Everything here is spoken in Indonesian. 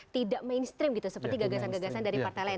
tidak mainstream gitu seperti gagasan gagasan dari partai lain